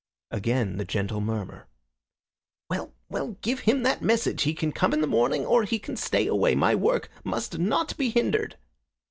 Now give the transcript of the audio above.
Again the gentle murmur. "Well, well, give him that message. He can come in the morning, or he can stay away. My work must not be hindered."